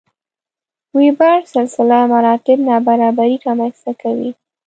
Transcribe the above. وېبر سلسله مراتب نابرابري رامنځته کوي.